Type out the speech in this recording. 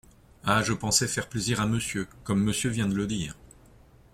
Ah ! je pensais faire plaisir à Monsieur… comme Monsieur vient de le dire…